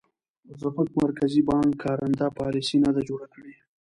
زموږ مرکزي بانک کارنده پالیسي نه ده جوړه کړې.